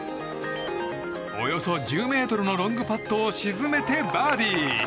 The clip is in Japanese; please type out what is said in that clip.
およそ１０ｍのロングパットを沈めてバーディー。